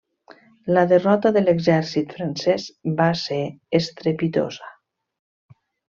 La derrota de l'exèrcit francès va ser estrepitosa.